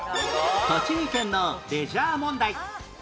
栃木県のレジャー問題